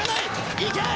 行け！